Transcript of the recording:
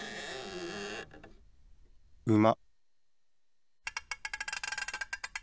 うま。